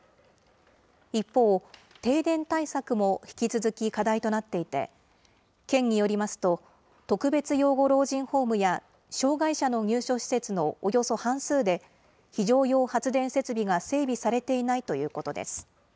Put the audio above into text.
一方、停電対策も引き続き課題となっていて、県によりますと、特別養護老人ホームや障害者の入所施設のおよそ半数で、非常用発電設備が整備されていないということです。